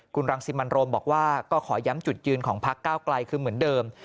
คุณรังสิมันโรมบอกว่าก็ขอย้ำจุดยืนของพักเก้าไกลคือเหมือนเดิม